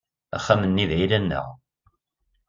Axxam-nni d ayla-nneɣ.